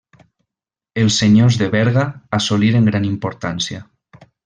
Els senyors de Berga assoliren gran importància.